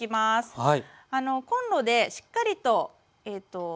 はい。